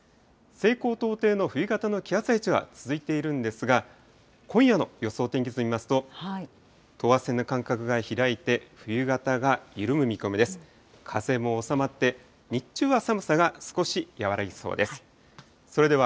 西高東低の冬型の気圧配置は続いているんですが、今夜の予想天気図見ますと、等圧線の間隔が開いて、冬型が緩む見込みです。